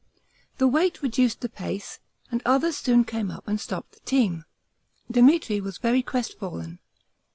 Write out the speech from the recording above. The weight reduced the pace, and others soon came up and stopped the team. Demetri was very crestfallen.